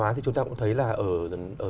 văn hóa thì chúng ta cũng thấy là ở